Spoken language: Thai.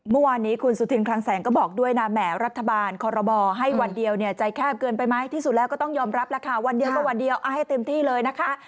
เมื่อวานนี้คุณสุธินคลังแสงก็บอกด้วยนะแหมรัฐบาลคอรมอให้วันเดียวเนี่ยใจแคบเกินไปไหมที่สุดแล้วก็ต้องยอมรับแล้วค่ะวันเดียวก็วันเดียวเอาให้เต็มที่เลยนะคะ